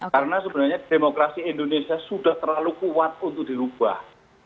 karena sebenarnya demokrasi indonesia sudah terlalu kuat untuk dirubah